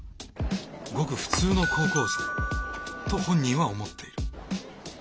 ごくフツーの高校生と本人は思っている。